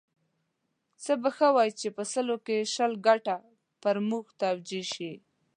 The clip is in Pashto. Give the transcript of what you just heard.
څه به ښه وای چې په سلو کې شل ګټه پر موږ توجیه شي.